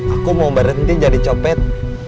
aku mau berhenti jadi copet